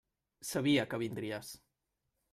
Sabia que vindries.